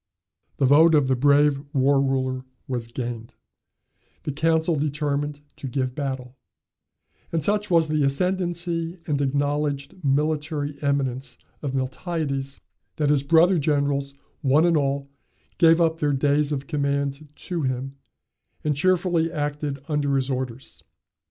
The vote of the brave War ruler was gained, the council determined to give battle; and such was the ascendancy and acknowledged military eminence of Miltiades, that his brother generals one and all gave up their days of command to him, and cheerfully acted under his orders.